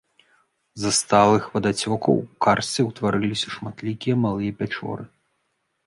З-за сталых вадацёкаў у карсце ўтварыліся шматлікія малыя пячоры.